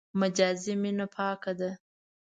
مجازي مینه پاکه ده.